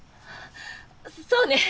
そそうね